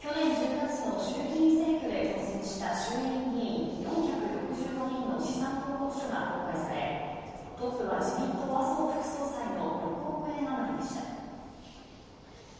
去年１０月の衆議院選挙で当選した衆院議員４６５人の資産報告書が公開され、トップは自民党、麻生副総裁の６億円余りでした。